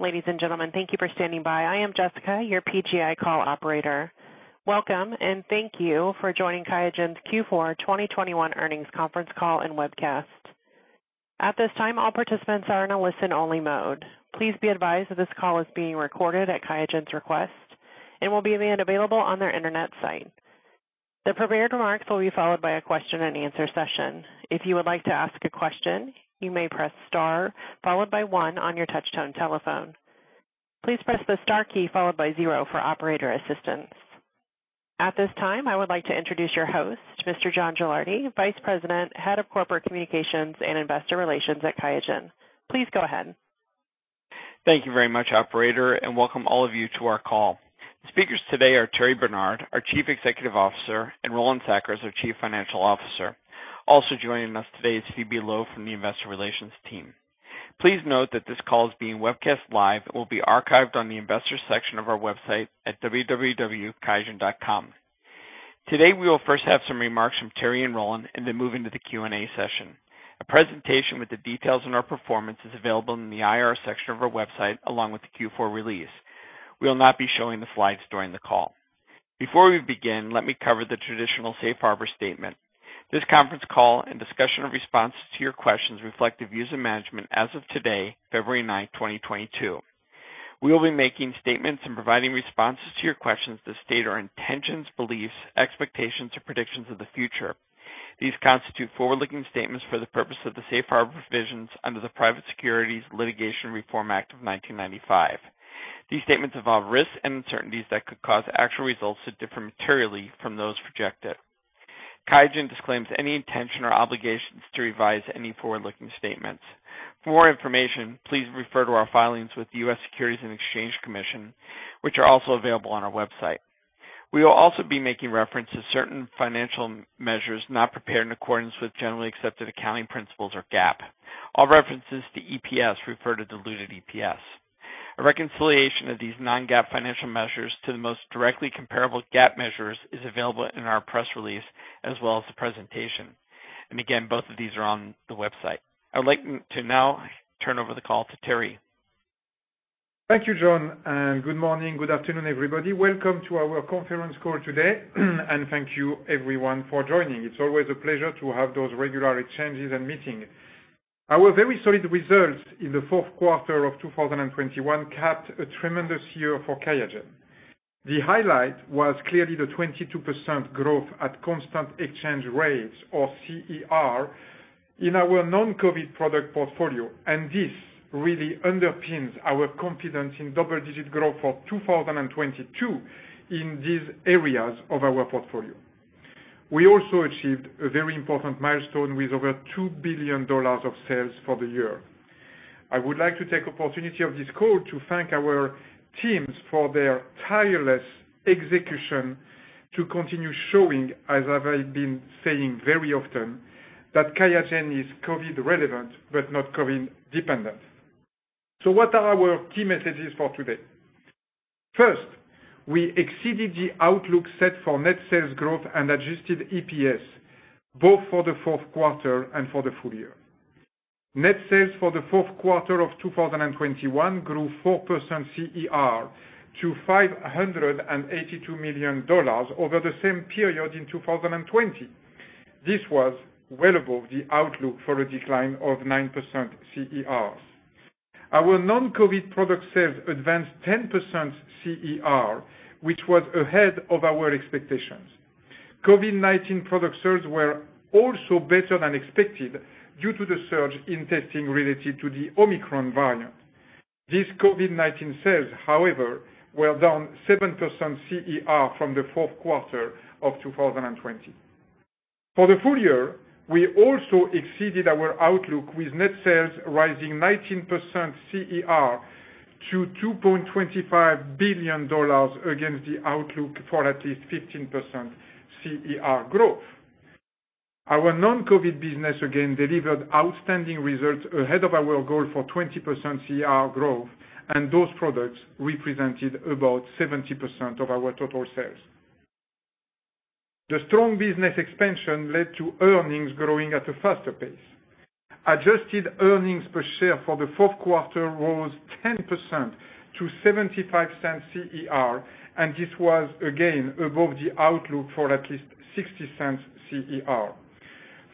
Ladies and gentlemen, thank you for standing by. I am Jessica, your PGi call operator. Welcome, and thank you for joining Qiagen's Q4 2021 earnings conference call and webcast. At this time, all participants are in a listen-only mode. Please be advised that this call is being recorded at Qiagen's request and will be made available on their internet site. The prepared remarks will be followed by a question-and-answer session. If you would like to ask a question, you may press star followed by one on your touch-tone telephone. Please press the star key followed by zero for operator assistance. At this time, I would like to introduce your host, Mr. John Gilardi, Vice President, Head of Corporate Communications and Investor Relations at Qiagen. Please go ahead. Thank you very much, Operator, and welcome all of you to our call. Speakers today are Thierry Bernard, our Chief Executive Officer, and Roland Sackers, our Chief Financial Officer. Also joining us today is Phoebe Loh from the Investor Relations team. Please note that this call is being webcast live and will be archived on the investor section of our website at www.qiagen.com. Today, we will first have some remarks from Thierry and Roland and then move into the Q&A session. A presentation with the details on our performance is available in the IR section of our website along with the Q4 release. We will not be showing the slides during the call. Before we begin, let me cover the traditional Safe Harbor statement. This conference call and discussion of responses to your questions reflect the views of management as of today, February 9, 2022. We will be making statements and providing responses to your questions to state our intentions, beliefs, expectations, or predictions of the future. These constitute forward-looking statements for the purpose of the Safe Harbor provisions under the Private Securities Litigation Reform Act of 1995. These statements involve risks and uncertainties that could cause actual results to differ materially from those projected. Qiagen disclaims any intention or obligations to revise any forward-looking statements. For more information, please refer to our filings with the U.S. Securities and Exchange Commission, which are also available on our website. We will also be making reference to certain financial measures not prepared in accordance with generally accepted accounting principles or GAAP. All references to EPS refer to diluted EPS. A reconciliation of these non-GAAP financial measures to the most directly comparable GAAP measures is available in our press release as well as the presentation. Again, both of these are on the website. I would like to now turn over the call to Thierry. Thank you, John, and good morning, good afternoon, everybody. Welcome to our conference call today, and thank you, everyone, for joining. It's always a pleasure to have those regular exchanges and meetings. Our very solid results in the Q4 of 2021 capped a tremendous year for Qiagen. The highlight was clearly the 22% growth at constant exchange rates, or CER, in our non-COVID product portfolio, and this really underpins our confidence in double-digit growth for 2022 in these areas of our portfolio. We also achieved a very important milestone with over $2 billion of sales for the year. I would like to take the opportunity of this call to thank our teams for their tireless execution to continue showing, as I've been saying very often, that Qiagen is COVID-relevant but not COVID-dependent. So what are our key messages for today? First, we exceeded the outlook set for net sales growth and adjusted EPS, both for the Q4 and for the full year. Net sales for the Q4 of 2021 grew 4% CER to $582 million over the same period in 2020. This was well above the outlook for a decline of 9% CER. Our non-COVID product sales advanced 10% CER, which was ahead of our expectations. COVID-19 product sales were also better than expected due to the surge in testing related to the Omicron variant. These COVID-19 sales, however, were down 7% CER from the Q4 of 2020. For the full year, we also exceeded our outlook with net sales rising 19% CER to $2.25 billion against the outlook for at least 15% CER growth. Our non-COVID business again delivered outstanding results ahead of our goal for 20% CER growth, and those products represented about 70% of our total sales. The strong business expansion led to earnings growing at a faster pace. Adjusted earnings per share for the Q4 rose 10% to $0.75 CER, and this was again above the outlook for at least $0.60 CER.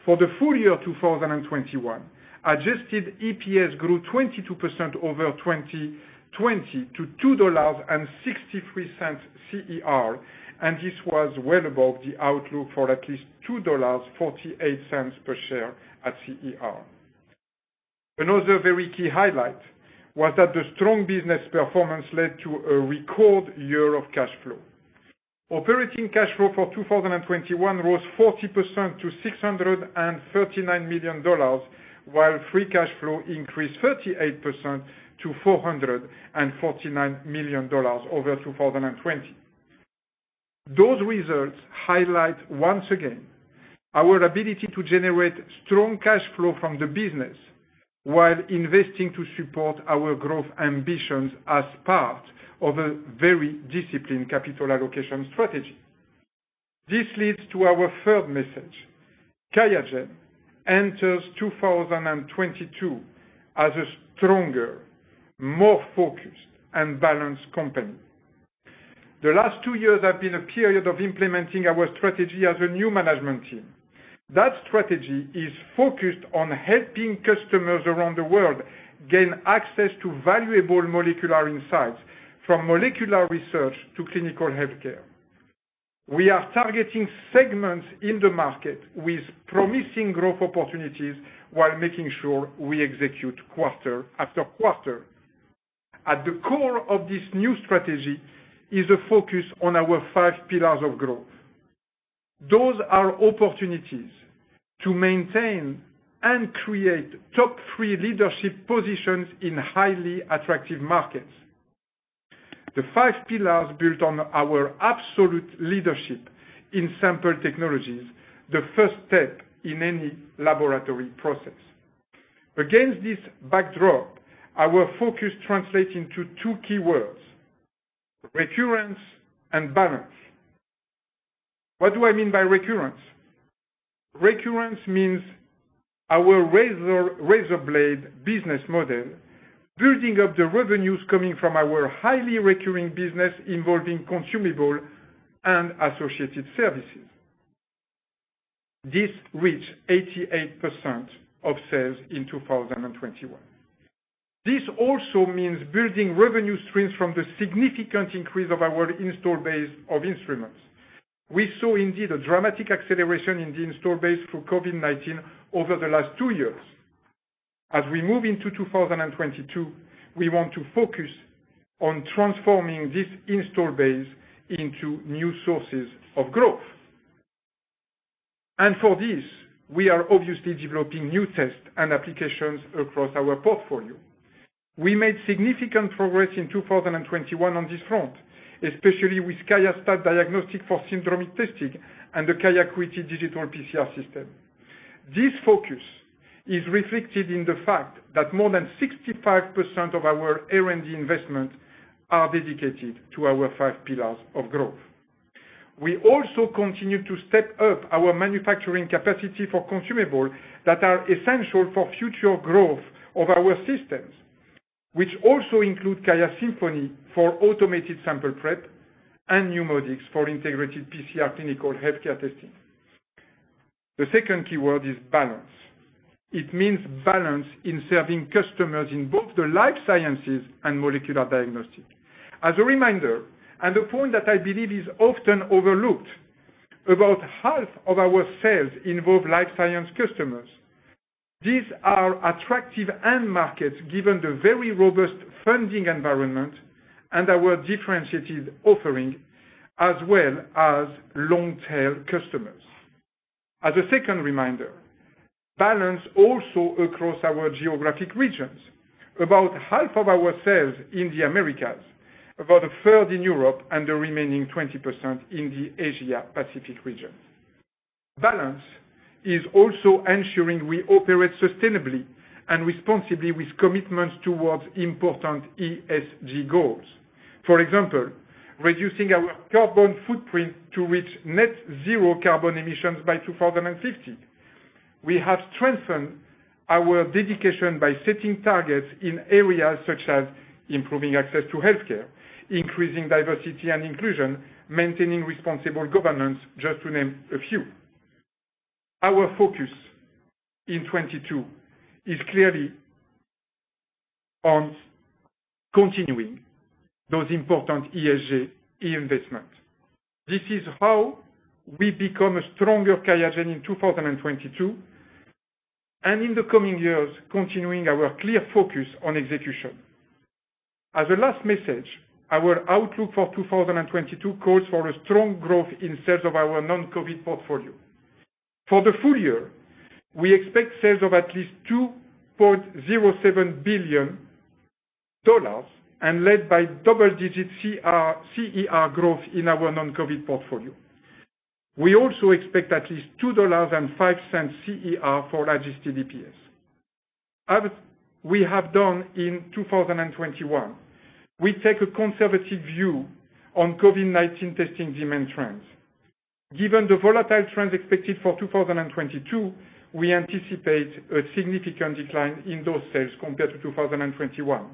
For the full year 2021, adjusted EPS grew 22% over 2020 to $2.63 CER, and this was well above the outlook for at least $2.48 per share at CER. Another very key highlight was that the strong business performance led to a record year of cash flow. Operating cash flow for 2021 rose 40% to $639 million, while free cash flow increased 38% to $449 million over 2020. Those results highlight once again our ability to generate strong cash flow from the business while investing to support our growth ambitions as part of a very disciplined capital allocation strategy. This leads to our third message. Qiagen enters 2022 as a stronger, more focused, and balanced company. The last two years have been a period of implementing our strategy as a new management team. That strategy is focused on helping customers around the world gain access to valuable molecular insights, from molecular research to clinical healthcare. We are targeting segments in the market with promising growth opportunities while making sure we execute quarter after quarter. At the core of this new strategy is a focus on our five pillars of growth. Those are opportunities to maintain and create top three leadership positions in highly attractive markets. The five pillars, built on our absolute leadership in sample technologies, the first step in any laboratory process. Against this backdrop, our focus translates into two key words: recurrence and balance. What do I mean by recurrence? Recurrence means our razor-blade business model building up the revenues coming from our highly recurring business involving consumable and associated services. This reached 88% of sales in 2021. This also means building revenue streams from the significant increase of our installed base of instruments. We saw, indeed, a dramatic acceleration in the installed base for COVID-19 over the last two years. As we move into 2022, we want to focus on transforming this installed base into new sources of growth, and for this, we are obviously developing new tests and applications across our portfolio. We made significant progress in 2021 on this front, especially with QIAstat-Dx for syndromic testing and the QIAcuity Digital PCR System. This focus is reflected in the fact that more than 65% of our R&D investment are dedicated to our five pillars of growth. We also continue to step up our manufacturing capacity for consumables that are essential for future growth of our systems, which also include QIAsymphony for automated sample prep and NeuMoDx for integrated PCR clinical healthcare testing. The second key word is balance. It means balance in serving customers in both the life sciences and molecular diagnostics. As a reminder, and a point that I believe is often overlooked, about half of our sales involve life sciences customers. These are attractive end markets given the very robust funding environment and our differentiated offering, as well as long-tail customers. As a second reminder, balance also across our geographic regions. About half of our sales in the Americas, about a third in Europe, and the remaining 20% in the Asia-Pacific region. Balance is also ensuring we operate sustainably and responsibly with commitments towards important ESG goals. For example, reducing our carbon footprint to reach net zero carbon emissions by 2050. We have strengthened our dedication by setting targets in areas such as improving access to healthcare, increasing diversity and inclusion, maintaining responsible governance, just to name a few. Our focus in 2022 is clearly on continuing those important ESG investments. This is how we become a stronger Qiagen in 2022, and in the coming years, continuing our clear focus on execution. As a last message, our outlook for 2022 calls for a strong growth in sales of our non-COVID portfolio. For the full year, we expect sales of at least $2.07 billion and led by double-digit CER growth in our non-COVID portfolio. We also expect at least $2.05 CER for adjusted EPS. As we have done in 2021, we take a conservative view on COVID-19 testing demand trends. Given the volatile trends expected for 2022, we anticipate a significant decline in those sales compared to 2021.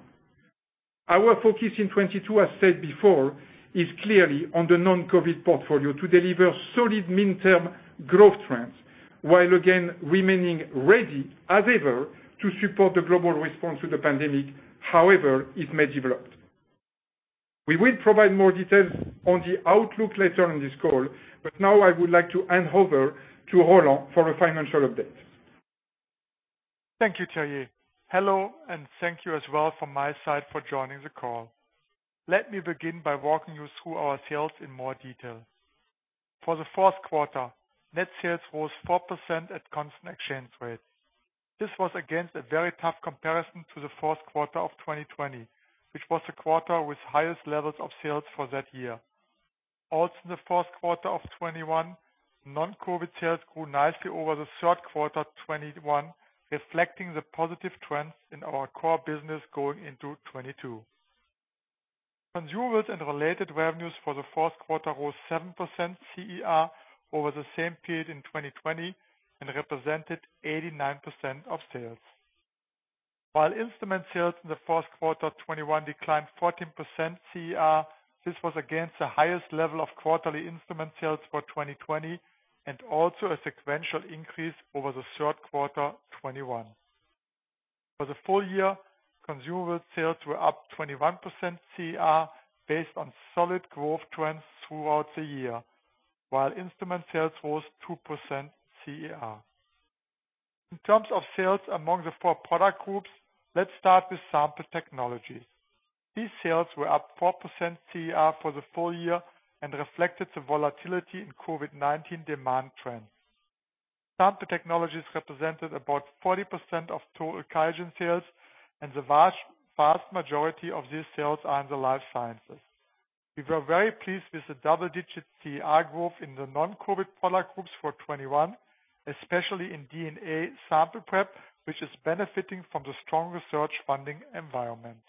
Our focus in 2022, as said before, is clearly on the non-COVID portfolio to deliver solid midterm growth trends, while again remaining ready, as ever, to support the global response to the pandemic, however it may develop. We will provide more details on the outlook later in this call, but now I would like to hand over to Roland for a financial update. Thank you, Thierry. Hello, and thank you as well from my side for joining the call. Let me begin by walking you through our sales in more detail. For the Q4, net sales rose 4% at constant exchange rate. This was against a very tough comparison to the Q4 of 2020, which was the quarter with highest levels of sales for that year. Also, in the Q4 of 2021, non-COVID sales grew nicely over the Q3 of 2021, reflecting the positive trends in our core business going into 2022. Consumables and related revenues for the Q4 rose 7% CER over the same period in 2020 and represented 89% of sales. While instrument sales in the Q4 of 2021 declined 14% CER, this was against the highest level of quarterly instrument sales for 2020 and also a sequential increase over the Q3 of 2021. For the full year, consumables sales were up 21% CER based on solid growth trends throughout the year, while instrument sales rose 2% CER. In terms of sales among the four product groups, let's start with sample technologies. These sales were up 4% CER for the full year and reflected the volatility in COVID-19 demand trends. Sample technologies represented about 40% of total Qiagen sales, and the vast majority of these sales are in the life sciences. We were very pleased with the double-digit CER growth in the non-COVID product groups for 2021, especially in DNA sample prep, which is benefiting from the strong research funding environment.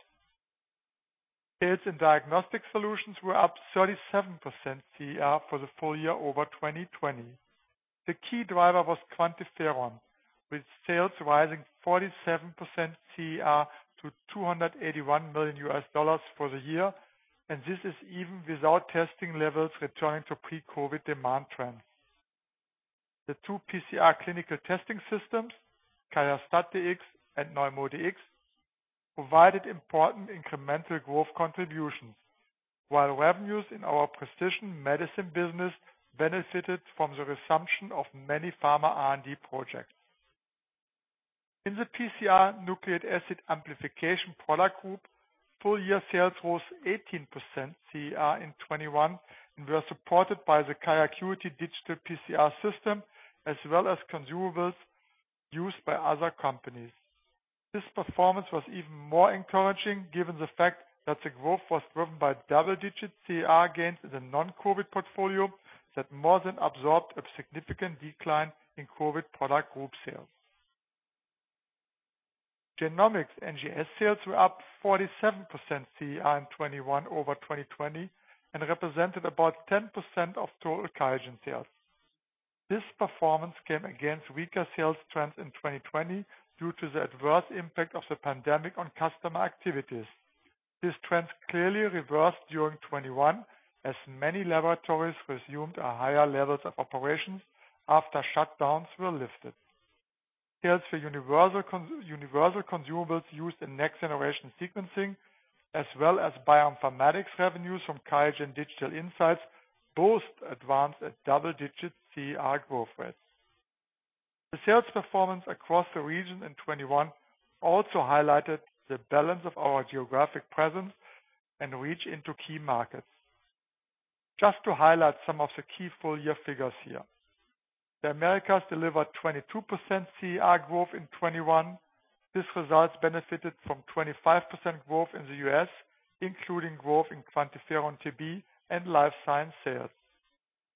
Sales in diagnostic solutions were up 37% CER for the full year over 2020. The key driver was QuantiFERON, with sales rising 47% CER to $281 million for the year, and this is even without testing levels returning to pre-COVID demand trends. The two PCR clinical testing systems, QIAstat-Dx and NeuMoDx, provided important incremental growth contributions, while revenues in our precision medicine business benefited from the resumption of many pharma R&D projects. In the PCR nucleic acid amplification product group, full year sales rose 18% CER in 2021 and were supported by the QIAcuity digital PCR system, as well as consumables used by other companies. This performance was even more encouraging given the fact that the growth was driven by double-digit CER gains in the non-COVID portfolio that more than absorbed a significant decline in COVID product group sales. Genomics and NGS sales were up 47% CER in 2021 over 2020 and represented about 10% of total Qiagen sales. This performance came against weaker sales trends in 2020 due to the adverse impact of the pandemic on customer activities. These trends clearly reversed during 2021, as many laboratories resumed higher levels of operations after shutdowns were lifted. Sales for universal consumables used in next-generation sequencing, as well as bioinformatics revenues from Qiagen Digital Insights, both advanced at double-digit CER growth rates. The sales performance across the region in 2021 also highlighted the balance of our geographic presence and reach into key markets. Just to highlight some of the key full-year figures here, the Americas delivered 22% CER growth in 2021. This result benefited from 25% growth in the U.S., including growth in QuantiFERON TB and life science sales.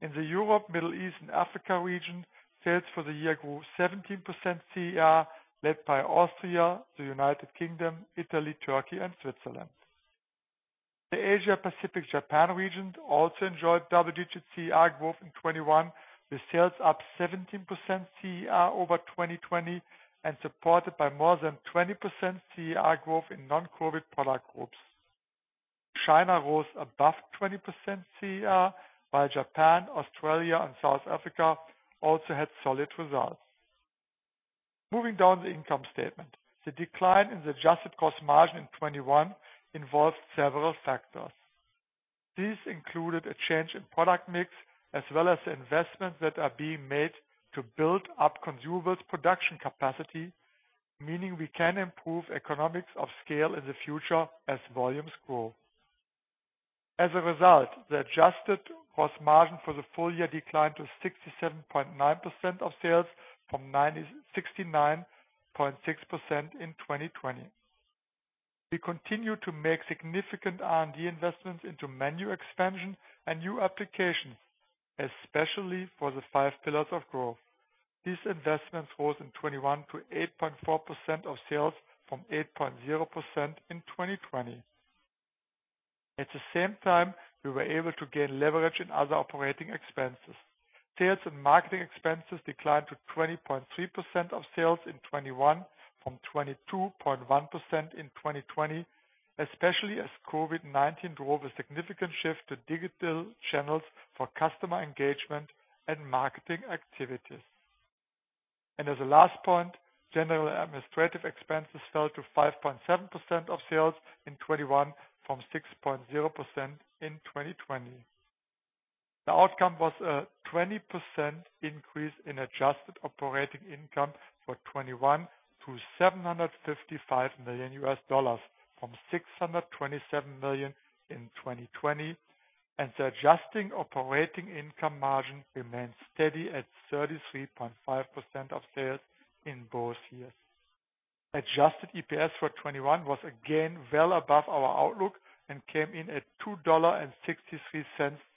In the Europe, Middle East, and Africa region, sales for the year grew 17% CER, led by Austria, the United Kingdom, Italy, Turkey, and Switzerland. The Asia-Pacific Japan region also enjoyed double-digit CER growth in 2021, with sales up 17% CER over 2020 and supported by more than 20% CER growth in non-COVID product groups. China rose above 20% CER, while Japan, Australia, and South Africa also had solid results. Moving down the income statement, the decline in the adjusted cost margin in 2021 involved several factors. These included a change in product mix, as well as the investments that are being made to build up consumables' production capacity, meaning we can improve economies of scale in the future as volumes grow. As a result, the adjusted cost margin for the full year declined to 67.9% of sales from 69.6% in 2020. We continue to make significant R&D investments into menu expansion and new applications, especially for the five pillars of growth. These investments rose in 2021 to 8.4% of sales from 8.0% in 2020. At the same time, we were able to gain leverage in other operating expenses. Sales and marketing expenses declined to 20.3% of sales in 2021 from 22.1% in 2020, especially as COVID-19 drove a significant shift to digital channels for customer engagement and marketing activities. And as a last point, general administrative expenses fell to 5.7% of sales in 2021 from 6.0% in 2020. The outcome was a 20% increase in adjusted operating income for 2021 to $755 million from $627 million in 2020, and the adjusted operating income margin remained steady at 33.5% of sales in both years. Adjusted EPS for 2021 was again well above our outlook and came in at $2.63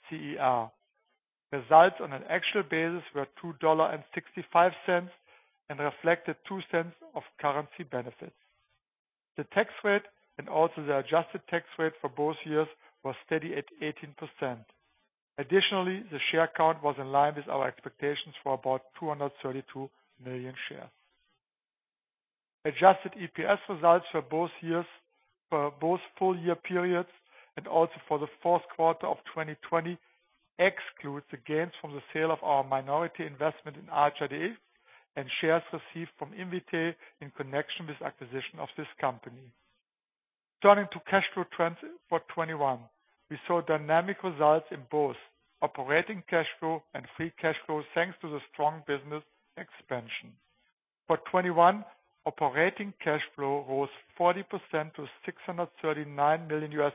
CER. Results on an actual basis were $2.65 and reflected $0.02 of currency benefits. The tax rate and also the adjusted tax rate for both years was steady at 18%. Additionally, the share count was in line with our expectations for about 232 million shares. Adjusted EPS results for both years, for both full-year periods and also for the Q4 of 2020, exclude the gains from the sale of our minority investment in ArcherDX and shares received from Invitae in connection with acquisition of this company. Turning to cash flow trends for 2021, we saw dynamic results in both operating cash flow and free cash flow thanks to the strong business expansion. For 2021, operating cash flow rose 40% to $639 million,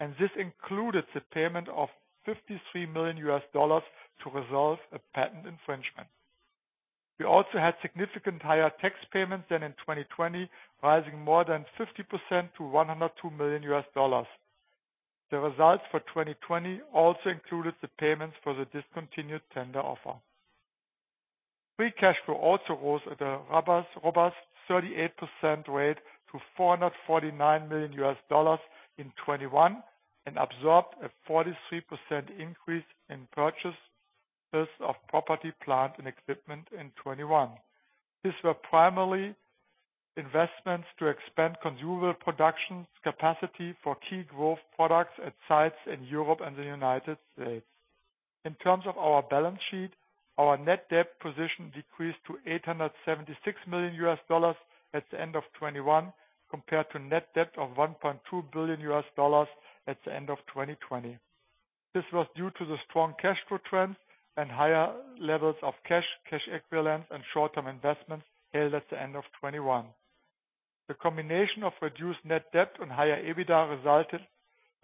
and this included the payment of $53 million to resolve a patent infringement. We also had significantly higher tax payments than in 2020, rising more than 50% to $102 million. The results for 2020 also included the payments for the discontinued tender offer. Free cash flow also rose at a robust 38% rate to $449 million in 2021 and absorbed a 43% increase in purchases of property, plant, and equipment in 2021. These were primarily investments to expand consumable production capacity for key growth products at sites in Europe and the United States. In terms of our balance sheet, our net debt position decreased to $876 million at the end of 2021 compared to net debt of $1.2 billion at the end of 2020. This was due to the strong cash flow trends and higher levels of cash, cash equivalents, and short-term investments held at the end of 2021. The combination of reduced net debt and higher EBITDA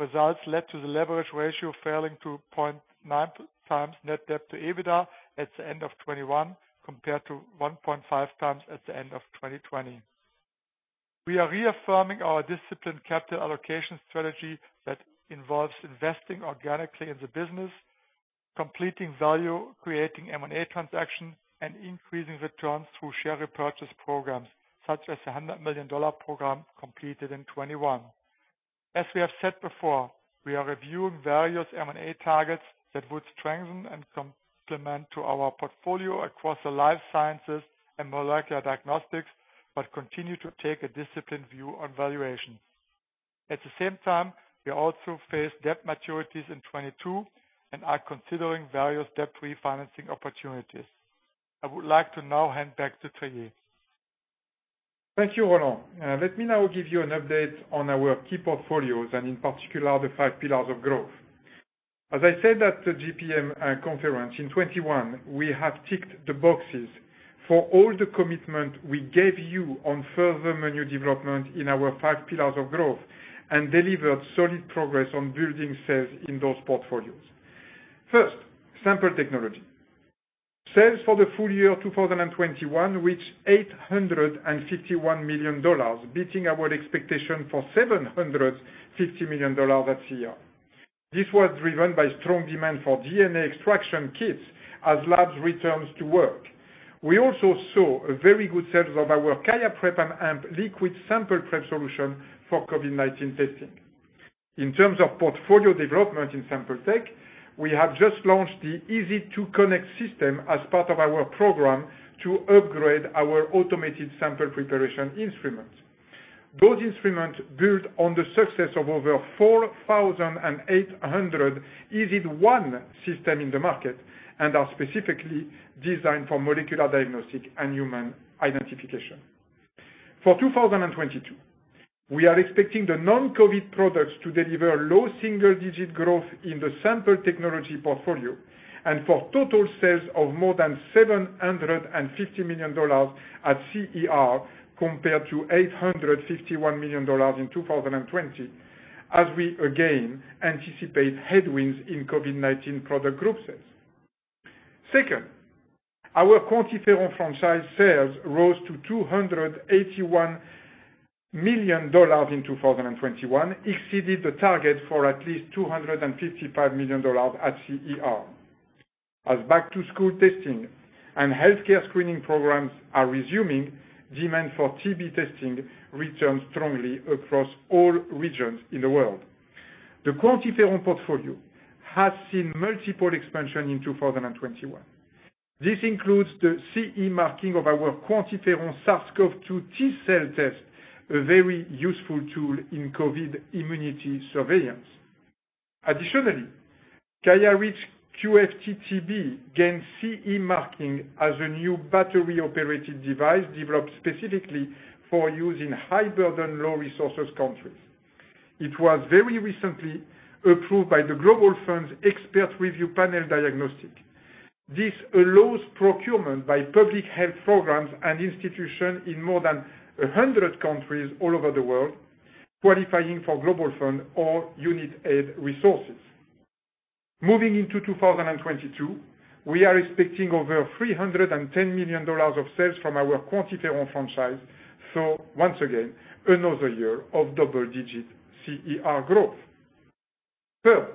results led to the leverage ratio falling to 0.9 times net debt to EBITDA at the end of 2021 compared to 1.5 times at the end of 2020. We are reaffirming our disciplined capital allocation strategy that involves investing organically in the business, completing value-creating M&A transactions, and increasing returns through share repurchase programs, such as the $100 million program completed in 2021. As we have said before, we are reviewing various M&A targets that would strengthen and complement our portfolio across the life sciences and molecular diagnostics, but continue to take a disciplined view on valuation. At the same time, we also face debt maturities in 2022 and are considering various debt refinancing opportunities. I would like to now hand back to Thierry. Thank you, Roland. Let me now give you an update on our key portfolios and in particular the five pillars of growth. As I said at the JPM conference in 2021, we have ticked the boxes for all the commitment we gave you on further menu development in our five pillars of growth and delivered solid progress on building sales in those portfolios. First, sample technology. Sales for the full year 2021 reached $851 million, beating our expectation for $750 million at CER. This was driven by strong demand for DNA extraction kits as labs returned to work. We also saw very good sales of our QIAprep&amp liquid sample prep solution for COVID-19 testing. In terms of portfolio development in sample tech, we have just launched the EZ2 Connect system as part of our program to upgrade our automated sample preparation instruments. Those instruments build on the success of over 4,800 EZ1 systems in the market and are specifically designed for molecular diagnostics and human identification. For 2022, we are expecting the non-COVID products to deliver low single-digit growth in the sample technology portfolio and for total sales of more than $750 million at CER compared to $851 million in 2020, as we again anticipate headwinds in COVID-19 product group sales. Second, our QuantiFERON franchise sales rose to $281 million in 2021, exceeding the target for at least $255 million at CER. As back-to-school testing and healthcare screening programs are resuming, demand for TB testing returns strongly across all regions in the world. The QuantiFERON portfolio has seen multiple expansions in 2021. This includes the CE marking of our QuantiFERON SARS-CoV-2 T-cell test, a very useful tool in COVID immunity surveillance. Additionally, QIAreach QFT-TB gained CE marking as a new battery-operated device developed specifically for use in high-burden, low-resource countries. It was very recently approved by the Global Fund's Expert Review Panel Diagnostic. This allows procurement by public health programs and institutions in more than 100 countries all over the world, qualifying for Global Fund or Unitaid resources. Moving into 2022, we are expecting over $310 million of sales from our QuantiFERON franchise, so once again, another year of double-digit CER growth. Third,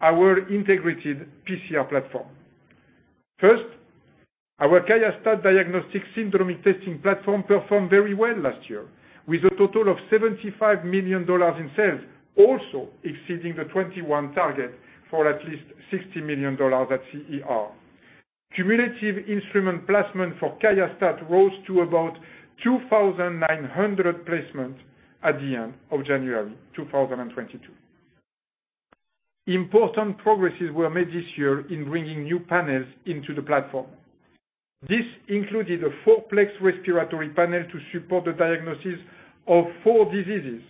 our integrated PCR platform. First, our QIAstat-Dx Diagnostic Syndromic Testing Platform performed very well last year, with a total of $75 million in sales, also exceeding the 2021 target for at least $60 million at CER. Cumulative instrument placement for QIAstat-Dx rose to about 2,900 placements at the end of January 2022. Important progresses were made this year in bringing new panels into the platform. This included a four-plex respiratory panel to support the diagnosis of four diseases: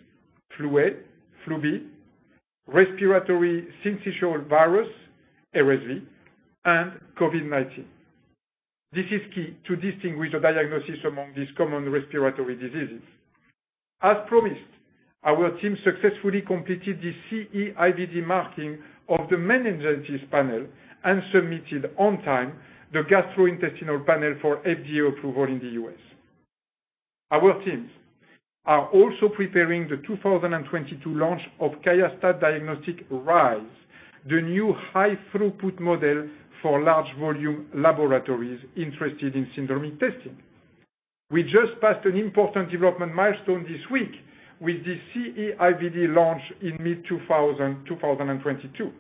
Flu A, Flu B, Respiratory Syncytial Virus, RSV, and COVID-19. This is key to distinguish the diagnosis among these common respiratory diseases. As promised, our team successfully completed the CE-IVD marking of the respiratory panel and submitted on time the gastrointestinal panel for FDA approval in the U.S. Our teams are also preparing the 2022 launch of QIAstat-Dx Rise, the new high-throughput model for large-volume laboratories interested in syndromic testing. We just passed an important development milestone this week with the CE-IVD launch in mid-2022.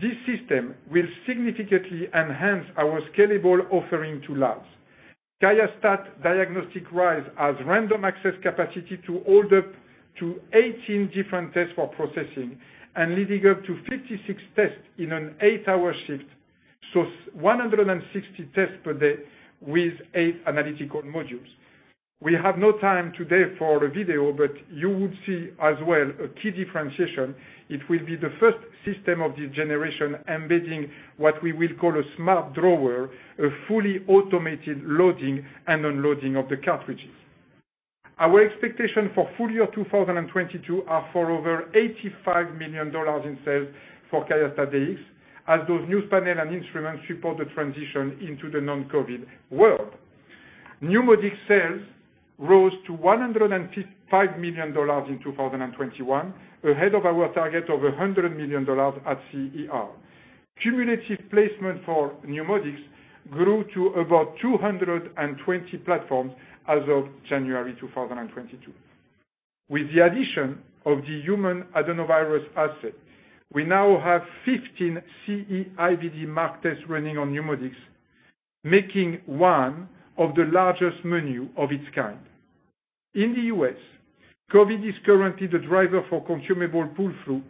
This system will significantly enhance our scalable offering to labs. QIAstat-Dx Rise has random access capacity to hold up to 18 different tests for processing and leading up to 56 tests in an eight-hour shift, so 160 tests per day with eight analytical modules. We have no time today for a video, but you would see as well a key differentiation. It will be the first system of this generation embedding what we will call a smart drawer, a fully automated loading and unloading of the cartridges. Our expectations for full year 2022 are for over $85 million in sales for QIAstat-Dx, as those new panels and instruments support the transition into the non-COVID world. NeuMoDx sales rose to $155 million in 2021, ahead of our target of $100 million at CER. Cumulative placement for NeuMoDx grew to about 220 platforms as of January 2022. With the addition of the human adenovirus assay, we now have 15 CE-IVD marked tests running on NeuMoDx, making one of the largest menus of its kind. In the U.S., COVID is currently the driver for consumable pull-through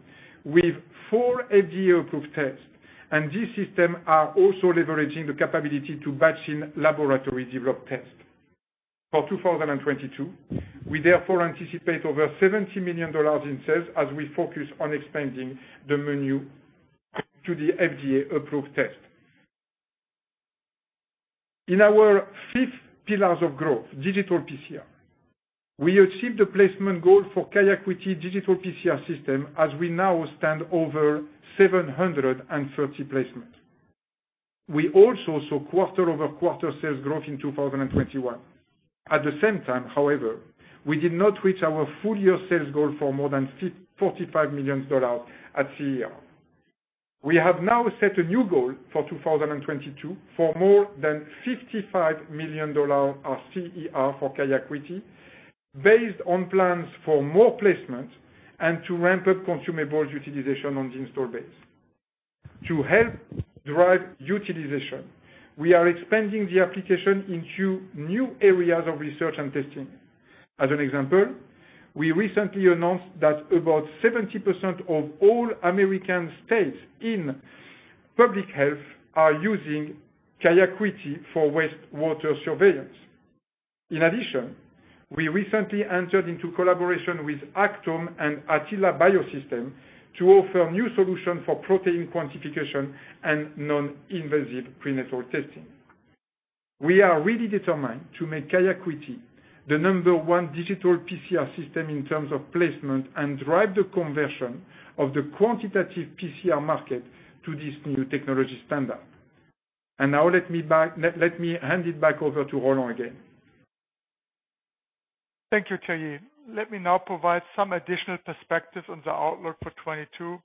with four FDA-approved tests, and these systems are also leveraging the capability to batch in laboratory-developed tests. For 2022, we therefore anticipate over $70 million in sales as we focus on expanding the menu to the FDA-approved tests. In our fifth pillar of growth, digital PCR, we achieved the placement goal for QIAcuity digital PCR system as we now stand over 730 placements. We also saw quarter-over-quarter sales growth in 2021. At the same time, however, we did not reach our full-year sales goal for more than $45 million at CER. We have now set a new goal for 2022 for more than $55 million at CER for QIAcuity, based on plans for more placements and to ramp up consumables utilization on the installed base. To help drive utilization, we are expanding the application into new areas of research and testing. As an example, we recently announced that about 70% of all American states in public health are using QIAcuity for wastewater surveillance. In addition, we recently entered into collaboration with Actome and Atila Biosystems to offer new solutions for protein quantification and non-invasive prenatal testing. We are really determined to make QIAcuity the number one digital PCR system in terms of placement and drive the conversion of the quantitative PCR market to this new technology standard. And now let me hand it back over to Roland again. Thank you, Thierry. Let me now provide some additional perspectives on the outlook for 2022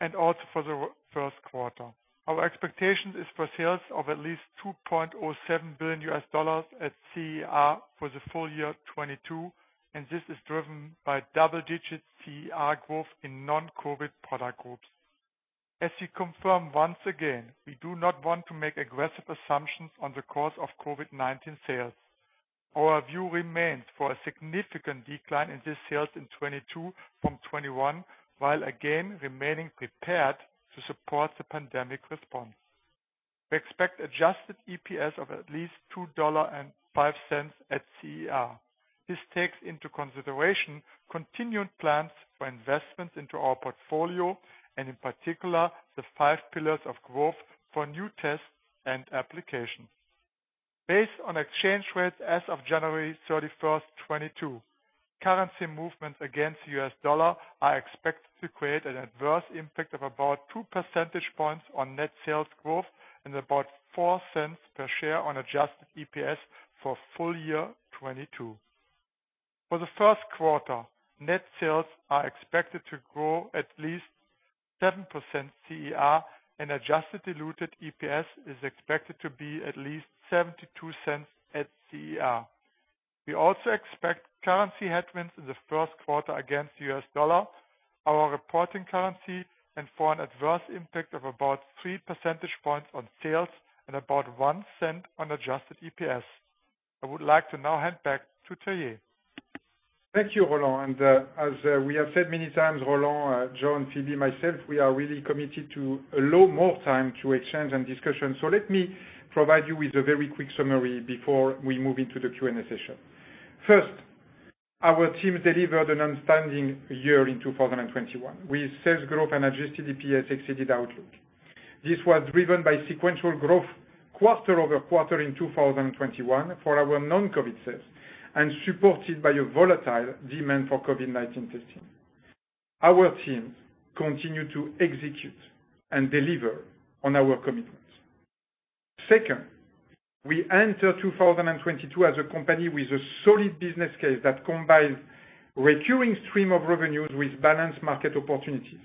and also for the Q1. Our expectation is for sales of at least $2.07 billion at CER for the full year 2022, and this is driven by double-digit CER growth in non-COVID product groups. As we confirm once again, we do not want to make aggressive assumptions on the course of COVID-19 sales. Our view remains for a significant decline in these sales in 2022 from 2021, while again remaining prepared to support the pandemic response. We expect adjusted EPS of at least $2.05 at CER. This takes into consideration continued plans for investments into our portfolio and, in particular, the five pillars of growth for new tests and applications. Based on exchange rates as of January 31, 2022, currency movements against the U.S. dollar are expected to create an adverse impact of about 2 percentage points on net sales growth and about $0.04 per share on adjusted EPS for full year 2022. For the Q1, net sales are expected to grow at least 7% CER, and adjusted diluted EPS is expected to be at least $0.72 at CER. We also expect currency headwinds in the Q1 against the U.S. dollar, our reporting currency, and for an adverse impact of about three percentage points on sales and about $0.01 on adjusted EPS. I would like to now hand back to Thierry. Thank you, Roland, and as we have said many times, Roland, John, Thierry, myself, we are really committed to allow more time to exchange and discussion. So let me provide you with a very quick summary before we move into the Q&A session. First, our team delivered an outstanding year in 2021 with sales growth and adjusted EPS exceeding outlook. This was driven by sequential growth quarter over quarter in 2021 for our non-COVID sales and supported by a volatile demand for COVID-19 testing. Our team continued to execute and deliver on our commitments. Second, we entered 2022 as a company with a solid business case that combines a recurring stream of revenues with balanced market opportunities.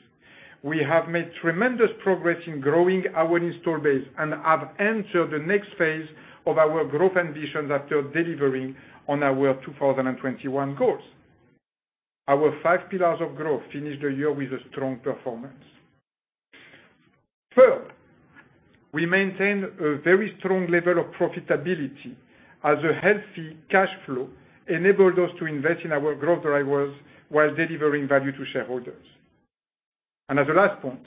We have made tremendous progress in growing our install base and have entered the next phase of our growth ambitions after delivering on our 2021 goals. Our five pillars of growth finished the year with a strong performance. Third, we maintained a very strong level of profitability as a healthy cash flow enabled us to invest in our growth drivers while delivering value to shareholders. And as a last point,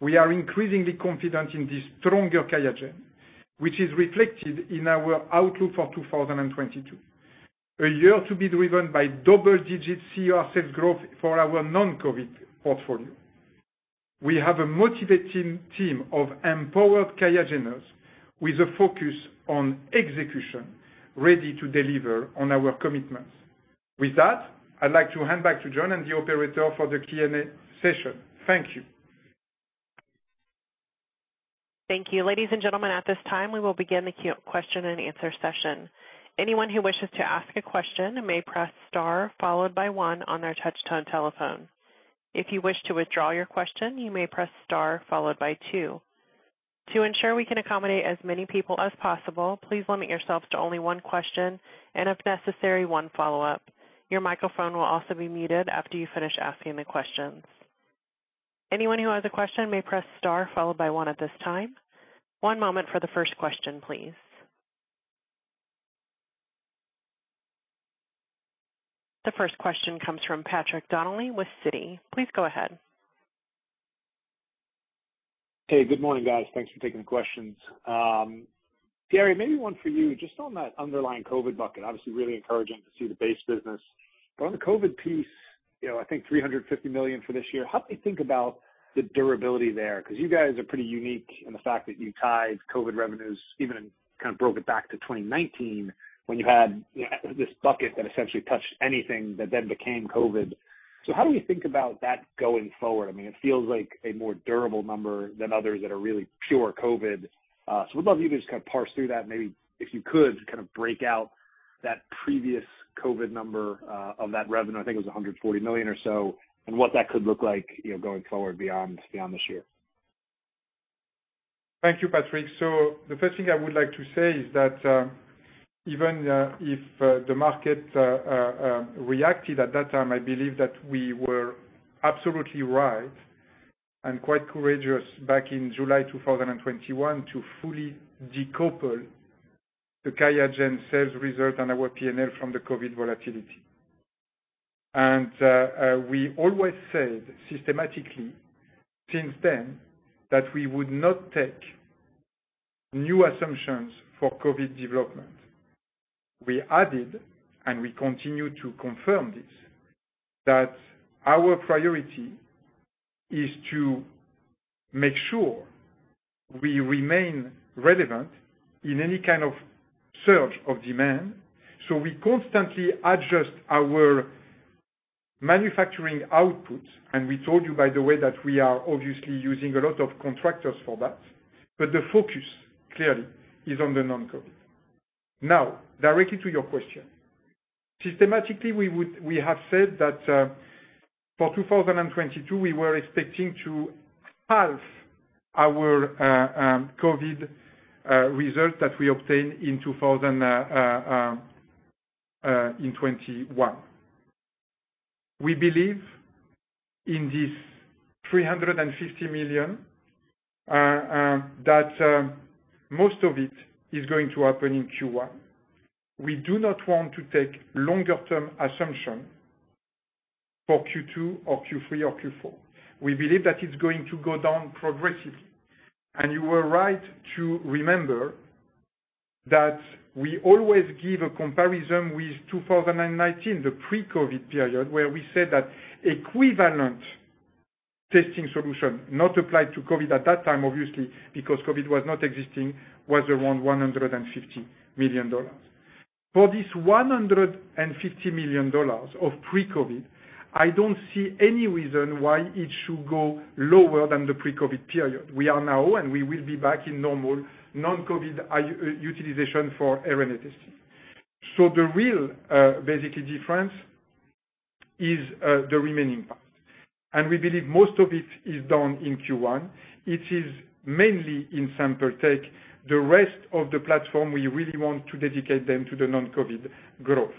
we are increasingly confident in this stronger QIAGEN, which is reflected in our outlook for 2022, a year to be driven by double-digit CER sales growth for our non-COVID portfolio. We have a motivating team of empowered QIAGENers with a focus on execution, ready to deliver on our commitments. With that, I'd like to hand back to John and the operator for the Q&A session. Thank you. Thank you. Ladies and gentlemen, at this time, we will begin the Q&A session. Anyone who wishes to ask a question may press star followed by one on their touch-tone telephone. If you wish to withdraw your question, you may press star followed by two. To ensure we can accommodate as many people as possible, please limit yourselves to only one question and, if necessary, one follow-up. Your microphone will also be muted after you finish asking the questions. Anyone who has a question may press star followed by one at this time. One moment for the first question, please. The first question comes from Patrick Donnelly with Citi. Please go ahead. Hey, good morning, guys. Thanks for taking the questions. Thierry, maybe one for you. Just on that underlying COVID bucket, obviously really encouraging to see the base business. But on the COVID piece, I think $350 million for this year, how do you think about the durability there? Because you guys are pretty unique in the fact that you tied COVID revenues, even kind of broke it back to 2019 when you had this bucket that essentially touched anything that then became COVID. So how do we think about that going forward? I mean, it feels like a more durable number than others that are really pure COVID. So, we'd love you to just kind of parse through that. Maybe if you could kind of break out that previous COVID number of that revenue, I think it was $140 million or so, and what that could look like going forward beyond this year. Thank you, Patrick. The first thing I would like to say is that even if the market reacted at that time, I believe that we were absolutely right and quite courageous back in July 2021 to fully decouple the Qiagen sales result and our P&L from the COVID volatility, and we always said systematically since then that we would not take new assumptions for COVID development. We added, and we continue to confirm this, that our priority is to make sure we remain relevant in any kind of surge of demand, so we constantly adjust our manufacturing output, and we told you, by the way, that we are obviously using a lot of contractors for that, but the focus clearly is on the non-COVID. Now, directly to your question. Systematically, we have said that for 2022, we were expecting to half our COVID result that we obtained in 2021. We believe in this $350 million that most of it is going to happen in Q1. We do not want to take longer-term assumptions for Q2 or Q3 or Q4. We believe that it's going to go down progressively. And you were right to remember that we always give a comparison with 2019, the pre-COVID period, where we said that equivalent testing solution not applied to COVID at that time, obviously, because COVID was not existing, was around $150 million. For this $150 million of pre-COVID, I don't see any reason why it should go lower than the pre-COVID period. We are now, and we will be back in normal non-COVID utilization for RNA testing. So, the real basically difference is the remaining part. And we believe most of it is done in Q1. It is mainly in sample take. The rest of the platform, we really want to dedicate them to the non-COVID growth.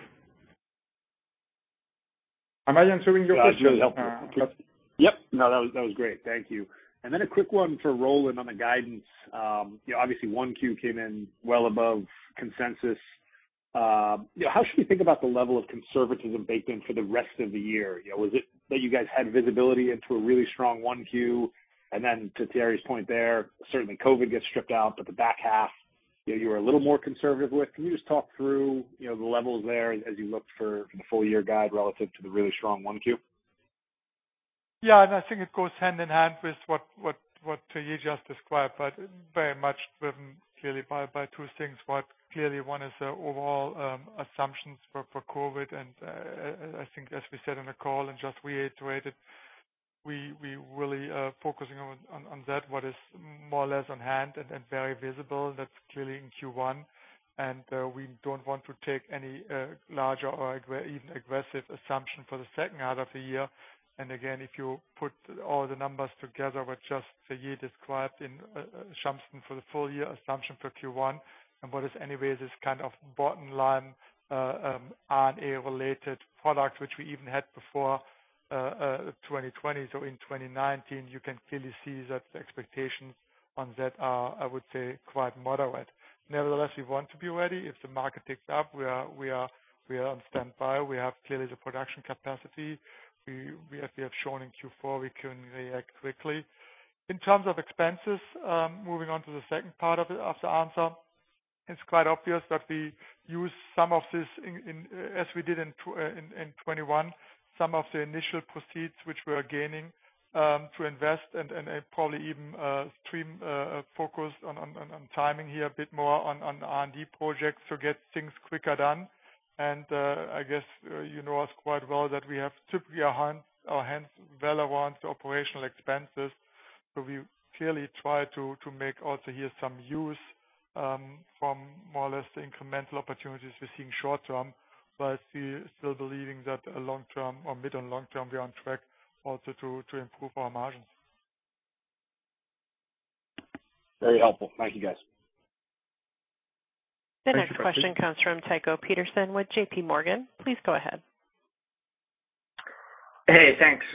Am I answering your question? Yep. No, that was great. Thank you. And then a quick one for Roland on the guidance. Obviously, one Q came in well above consensus. How should we think about the level of conservatism baked in for the rest of the year? Was it that you guys had visibility into a really strong one Q? And then to Thierry's point there, certainly COVID gets stripped out, but the back half, you were a little more conservative with. Can you just talk through the levels there as you look for the full-year guide relative to the really strong one Q? Yeah. And I think it goes hand in hand with what Thierry just described, but very much driven clearly by two things. Clearly, one is the overall assumptions for COVID. I think, as we said on the call and just reiterated, we're really focusing on that, what is more or less on hand and very visible. That's clearly in Q1. We don't want to take any larger or even aggressive assumption for the second half of the year. Again, if you put all the numbers together with what Thierry described in the summary for the full-year assumption for Q1, and what is anyways this kind of bottom-line RNA-related product, which we even had before 2020. So, in 2019, you can clearly see that the expectations on that are, I would say, quite moderate. Nevertheless, we want to be ready. If the market ticks up, we are on standby. We have clearly the production capacity. If we have shown in Q4, we can react quickly. In terms of expenses, moving on to the second part of the answer, it's quite obvious that we use some of this, as we did in 2021, some of the initial proceeds which we are gaining to invest and probably even stream focus on timing here a bit more on R&D projects to get things quicker done. And I guess you know us quite well that we have typically our hands well around operational expenses. So, we clearly try to make also here some use from more or less the incremental opportunities we're seeing short term but still believing that long term or mid and long term, we are on track also to improve our margins. Very helpful. Thank you, guys. The next question comes from Tycho Peterson with J.P. Morgan. Please go ahead. Hey, thanks.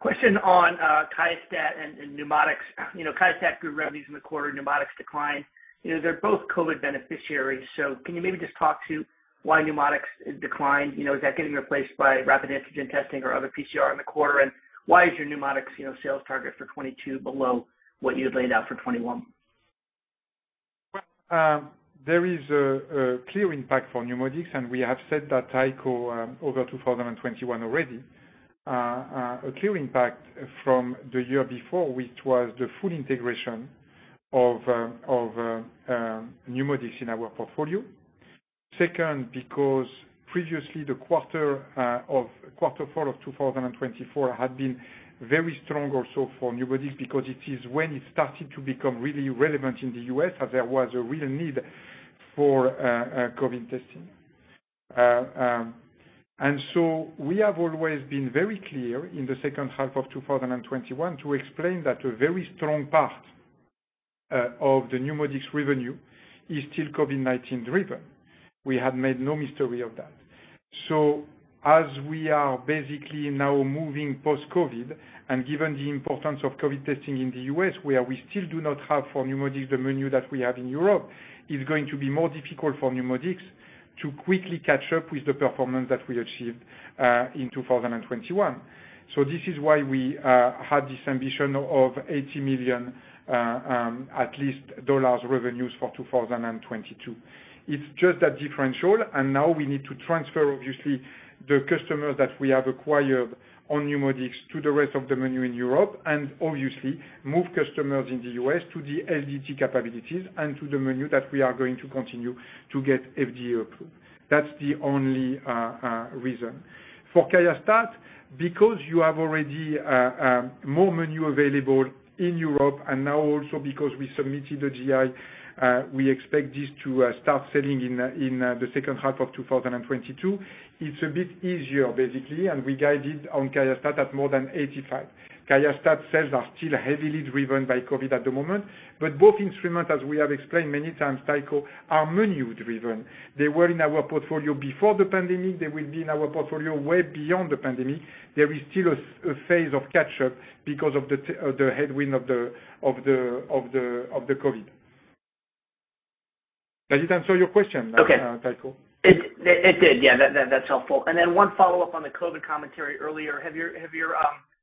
Question on QIAstat and NeuMoDx. QIAstat grew revenues in the quarter. NeuMoDx declined. They're both COVID beneficiaries. So, can you maybe just talk to why NeuMoDx declined? Is that getting replaced by rapid antigen testing or other PCR in the quarter? And why is your NeuMoDx sales target for 2022 below what you had laid out for 2021? There is a clear impact for NeuMoDx, and we have said that to Tycho over 2021 already. A clear impact from the year before, which was the full integration of NeuMoDx in our portfolio. Second, because previously, the quarter four of 2021 had been very strong also for NeuMoDx because it is when it started to become really relevant in the US, as there was a real need for COVID testing. And so, we have always been very clear in the second half of 2021 to explain that a very strong part of the NeuMoDx revenue is still COVID-19 driven. We had made no mystery of that, so as we are basically now moving post-COVID, and given the importance of COVID testing in the U.S., where we still do not have for NeuMoDx the menu that we have in Europe, it's going to be more difficult for NeuMoDx to quickly catch up with the performance that we achieved in 2021, so this is why we had this ambition of $80 million, at least, revenues for 2022. It's just that differential, and now we need to transfer, obviously, the customers that we have acquired on NeuMoDx to the rest of the menu in Europe and, obviously, move customers in the U.S. to the LDT capabilities and to the menu that we are going to continue to get FDA approved. That's the only reason. For QIAstat, because you have already more menu available in Europe and now also because we submitted the GI, we expect this to start selling in the second half of 2022. It's a bit easier, basically, and we guided on QIAstat at more than 85. QIAstat sales are still heavily driven by COVID at the moment. But both instruments, as we have explained many times, Tycho, are menu-driven. They were in our portfolio before the pandemic. They will be in our portfolio way beyond the pandemic. There is still a phase of catch-up because of the headwind of the COVID. Does it answer your question, Tycho? It did. Yeah, that's helpful. And then one follow-up on the COVID commentary earlier. Have your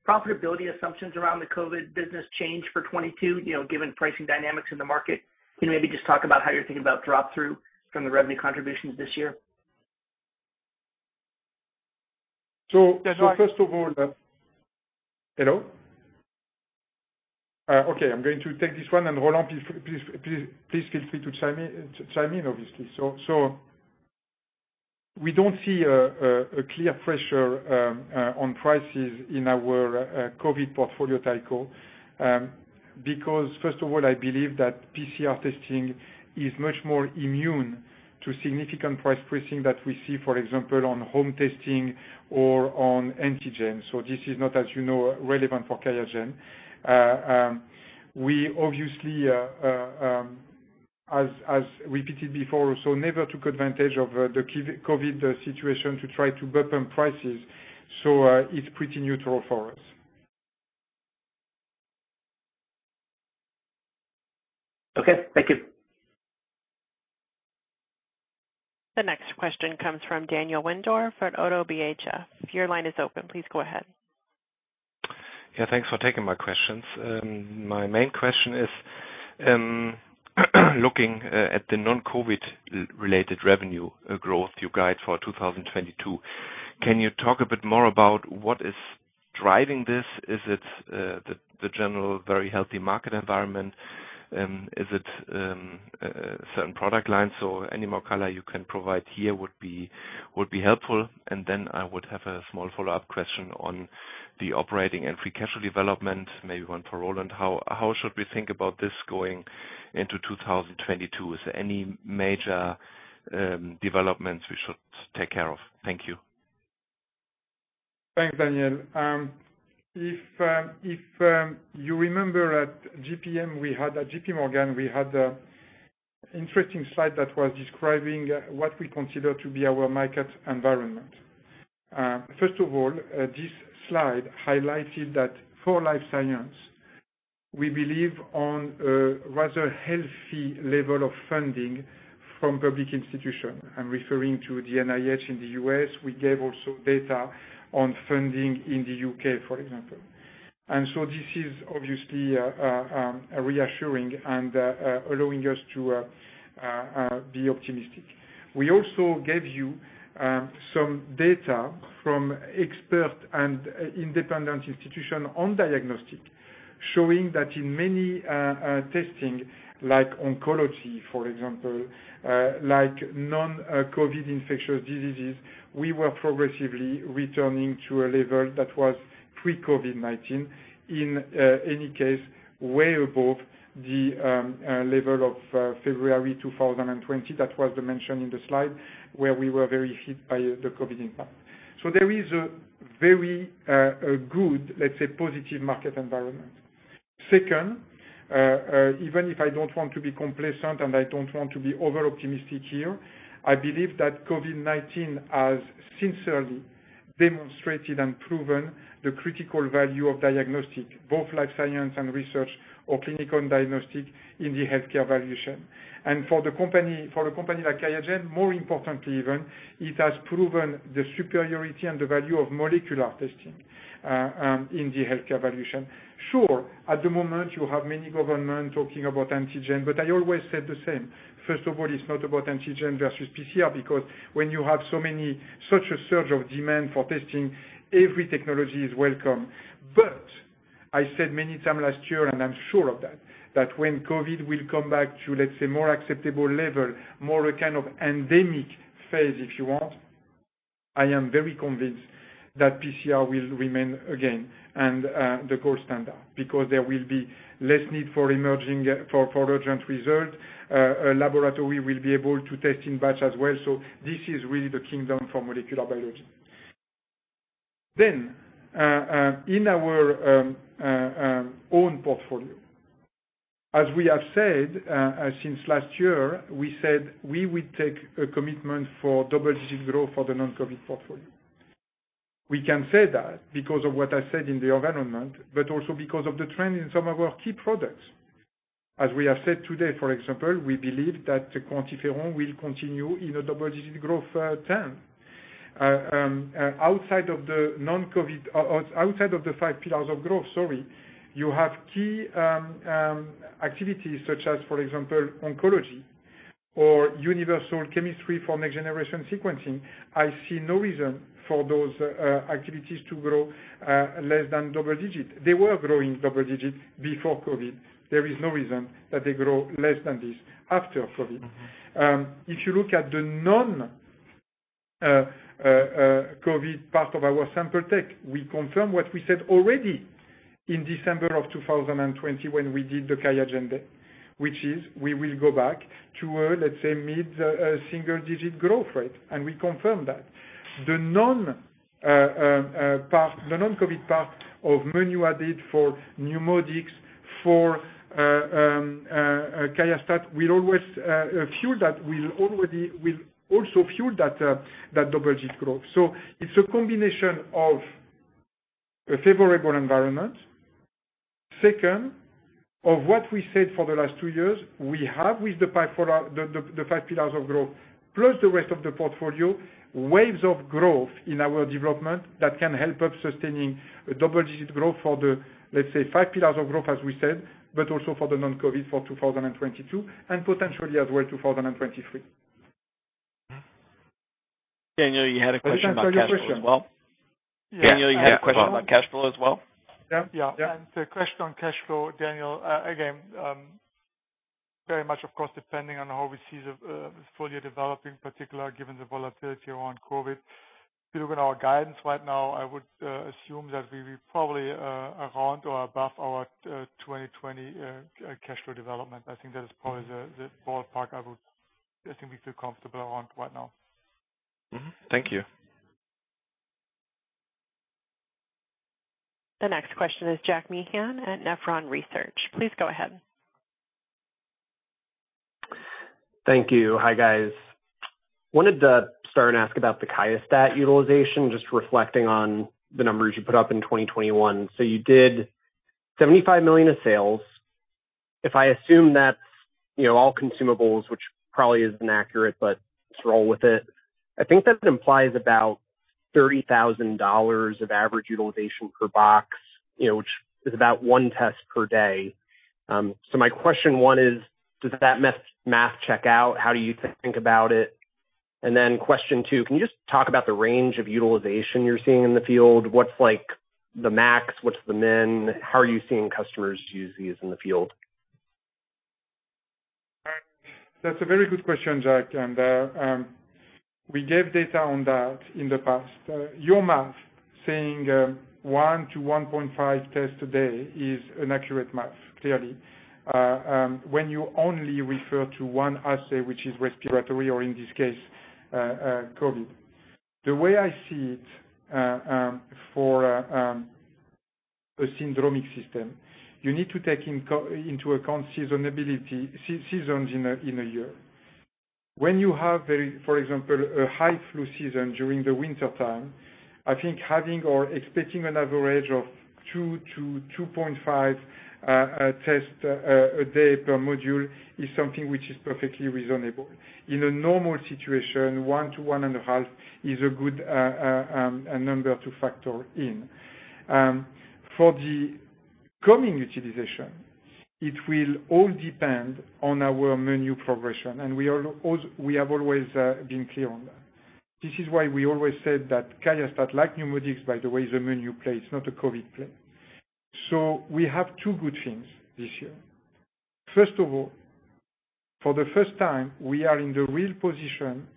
profitability assumptions around the COVID business changed for 2022, given pricing dynamics in the market? Can you maybe just talk about how you're thinking about drop-through from the revenue contributions this year? So first of all, hello? Okay. I'm going to take this one, and Roland, please feel free to chime in, obviously. So, we don't see a clear pressure on prices in our COVID portfolio, Tycho, because, first of all, I believe that PCR testing is much more immune to significant price pressure that we see, for example, on home testing or on antigen. So, this is not, as you know, relevant for Qiagen. We, obviously, as repeated before, also never took advantage of the COVID situation to try to bump up prices. So, it's pretty neutral for us. Okay. Thank you. The next question comes from Daniel Wendorff for Oddo BHF. Your line is open. Please go ahead. Yeah. Thanks for taking my questions. My main question is, looking at the non-COVID-related revenue growth, you guide for 2022, can you talk a bit more about what is driving this? Is it the general very healthy market environment? Is it certain product lines? So any more color you can provide here would be helpful. And then I would have a small follow-up question on the operating and free cash development, maybe one for Roland. How should we think about this going into 2022? Is there any major developments we should take care of? Thank you. Thanks, Daniel. If you remember at JPM, we had at J.P. Morgan, we had an interesting slide that was describing what we consider to be our market environment. First of all, this slide highlighted that for life science, we believe on a rather healthy level of funding from public institutions. I'm referring to the NIH in the U.S. We gave also data on funding in the UK, for example, and so this is obviously reassuring and allowing us to be optimistic. We also gave you some data from expert and independent institutions on diagnostic, showing that in many testing, like oncology, for example, like non-COVID infectious diseases, we were progressively returning to a level that was pre-COVID-19. In any case, way above the level of February 2020 that was mentioned in the slide, where we were very hit by the COVID impact, so there is a very good, let's say, positive market environment. Second, even if I don't want to be complacent and I don't want to be over-optimistic here, I believe that COVID-19 has sincerely demonstrated and proven the critical value of diagnostic, both life science and research or clinical diagnostic in the healthcare valuation. For a company like Qiagen, more importantly even, it has proven the superiority and the value of molecular testing in the healthcare valuation. Sure, at the moment, you have many governments talking about antigen, but I always said the same. First of all, it's not about antigen versus PCR because when you have such a surge of demand for testing, every technology is welcome. But I said many times last year, and I'm sure of that, that when COVID will come back to, let's say, more acceptable level, more a kind of endemic phase, if you want, I am very convinced that PCR will remain again the gold standard because there will be less need for emerging for urgent result. A laboratory will be able to test in batch as well. So, this is really the kingdom for molecular biology. Then, in our own portfolio, as we have said since last year, we said we would take a commitment for double-digit growth for the non-COVID portfolio. We can say that because of what I said in the environment, but also because of the trend in some of our key products. As we have said today, for example, we believe that the QuantiFERON will continue in a double-digit growth trend. Outside of the non-COVID, outside of the five pillars of growth, sorry, you have key activities such as, for example, oncology or universal chemistry for next-generation sequencing. I see no reason for those activities to grow less than double digit. They were growing double digit before COVID. There is no reason that they grow less than this after COVID. If you look at the non-COVID part of our sample tech, we confirm what we said already in December of 2020 when we did the QIAGEN deck, which is we will go back to a, let's say, mid-single-digit growth rate, and we confirm that. The non-COVID part of menu added for NeuMoDx, for QIAstat, will always fuel that double-digit growth, so it's a combination of a favorable environment, second, of what we said for the last two years. We have with the five pillars of growth, plus the rest of the portfolio, waves of growth in our development that can help us sustaining a double-digit growth for the, let's say, five pillars of growth, as we said, but also for the non-COVID for 2022 and potentially as well 2023. Daniel, you had a question about cash flow as well? Daniel, you had a question about cash flow as well? Yeah. Yeah. And the question on cash flow, Daniel, again, very much, of course, depending on how we see the full year developing, particularly given the volatility around COVID. If you look at our guidance right now, I would assume that we'll be probably around or above our 2020 cash flow development. I think that is probably the ballpark I think we feel comfortable around right now. Thank you. The next question is Jack Meehan at Nephron Research. Please go ahead. Thank you. Hi, guys. Wanted to start and ask about the QIAstat utilization, just reflecting on the numbers you put up in 2021. So, you did $75 million of sales. If I assume that's all consumables, which probably isn't accurate, but scroll with it, I think that implies about $30,000 of average utilization per box, which is about one test per day. So, my question one is, does that math check out? How do you think about it? And then question two, can you just talk about the range of utilization you're seeing in the field? What's the max? What's the min? How are you seeing customers use these in the field? That's a very good question, Jack. And we gave data on that in the past. Your math, saying 1-1.5 tests a day, is an accurate math, clearly, when you only refer to one assay, which is respiratory or, in this case, COVID. The way I see it for a syndromic system, you need to take into account seasons in a year. When you have, for example, a high flu season during the wintertime, I think having or expecting an average of two to 2.5 tests a day per module is something which is perfectly reasonable. In a normal situation, one to 1.5 is a good number to factor in. For the coming utilization, it will all depend on our menu progression. And we have always been clear on that. This is why we always said that QIAstat, like NeuMoDx, by the way, is a menu play, it's not a COVID play. So we have two good things this year. First of all, for the first time, we are in the real position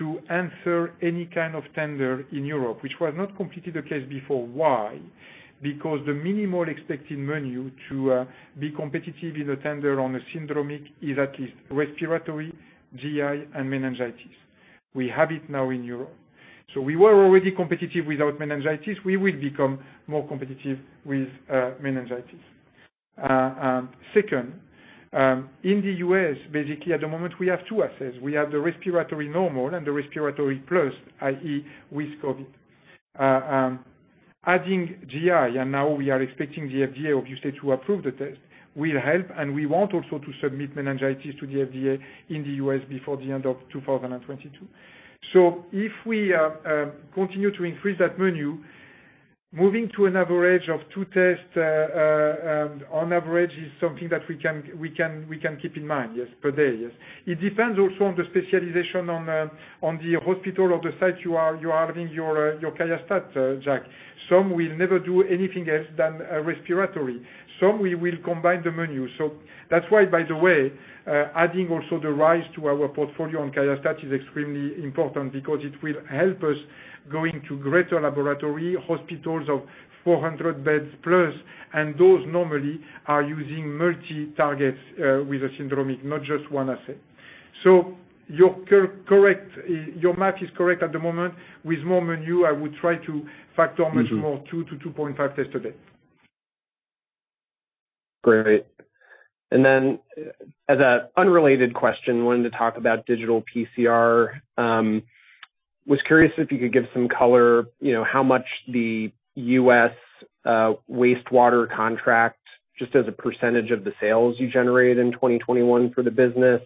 to enter any kind of tender in Europe, which was not completely the case before. Why? Because the minimal expected menu to be competitive in a tender on a syndromic is at least respiratory, GI, and meningitis. We have it now in Europe. We were already competitive without meningitis. We will become more competitive with meningitis. Second, in the U.S., basically, at the moment, we have two assays. We have the respiratory normal and the respiratory plus, i.e., with COVID. Adding GI, and now we are expecting the FDA, obviously, to approve the test, will help. We want also to submit meningitis to the FDA in the U.S. before the end of 2022. If we continue to increase that menu, moving to an average of two tests on average is something that we can keep in mind, yes, per day, yes. It depends also on the specialization on the hospital or the site you are having your QIAstat, Jack. Some will never do anything else than respiratory. Some will combine the menu. So that's why, by the way, adding also the Rise to our portfolio on QIAstat is extremely important because it will help us go into greater laboratory hospitals of 400 beds plus, and those normally are using multi-targets with a syndromic, not just one assay. So, your math is correct at the moment. With more menu, I would try to factor much more 2 to 2.5 tests a day. Great. And then as an unrelated question, wanted to talk about Digital PCR. Was curious if you could give some color how much the U.S. wastewater contract, just as a percentage of the sales you generated in 2021 for the business.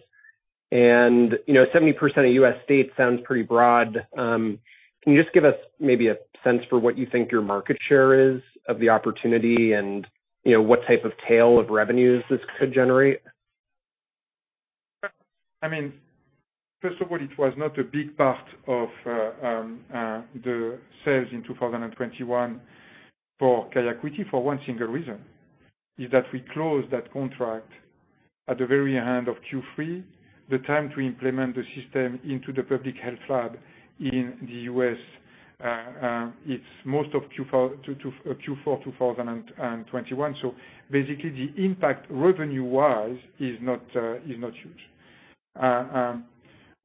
And 70% of U.S. states sounds pretty broad. Can you just give us maybe a sense for what you think your market share is of the opportunity and what type of tail of revenues this could generate? I mean, first of all, it was not a big part of the sales in 2021 for QIAcuity for one single reason, is that we closed that contract at the very end of Q3, the time to implement the system into the public health lab in the U.S. It's most of Q4 2021. So basically, the impact revenue-wise is not huge.